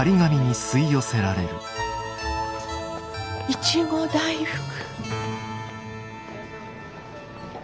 イチゴ大福。